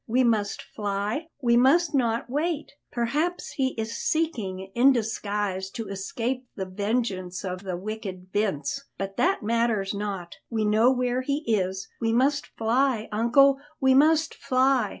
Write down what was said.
We must fly, we must not wait. Perhaps he is seeking in disguise to escape the vengeance of the wicked Vince; but that matters not; we know where he is; we must fly, uncle, we must fly!"